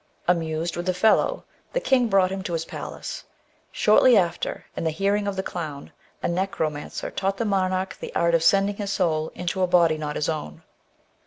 Amused with the fellow, the king brought him to his palace. Shortly after, in the hearing of the clown, a necromancer taught the monarch the art of sending his soul into a body not his own.